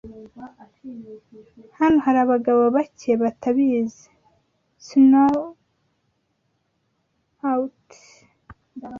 Hano hari abagabo bake batabizi. (Snout)